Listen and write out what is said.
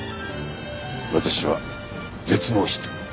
私は絶望した。